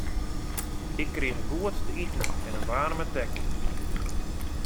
Ik krige goed te iten en in waarme tekken.